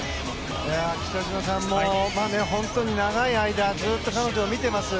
北島さんも本当に長い間ずっと彼女を見ています。